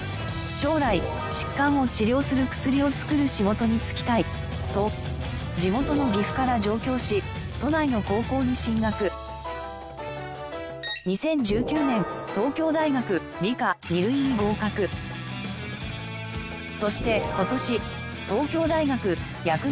将来疾患を治療する薬を作る仕事に就きたいと地元の岐阜から２０１９年そして今年東京大学薬学部を卒業。